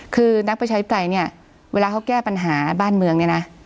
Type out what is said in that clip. คือนักประชาธิปไตยเนี่ยเวลาเขาแก้ปัญหาบ้านเมืองเนี่ยนะ